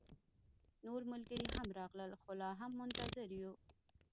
نور ملګري هم راغلل، خو لا هم منتظر يو